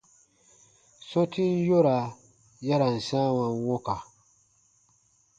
Sɔ̃tin yora ya ra n sãawa wɔ̃ka.